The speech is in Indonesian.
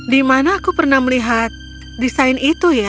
di mana aku pernah melihat desain itu ya